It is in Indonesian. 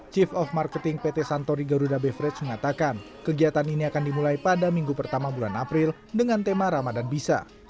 chief of marketing pt santori garuda beverage mengatakan kegiatan ini akan dimulai pada minggu pertama bulan april dengan tema ramadan bisa